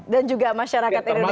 dan juga masyarakat indonesia